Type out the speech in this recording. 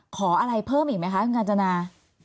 ขออะไรเพิ่มอีกไหมคะคุณกาญจนา